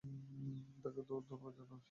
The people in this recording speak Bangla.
তাকে তোর ধন্যবাদ জানানো উচিৎ।